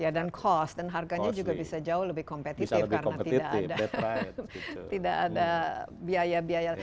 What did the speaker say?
iya dan cost dan harganya juga bisa jauh lebih kompetitif karena tidak ada biaya biaya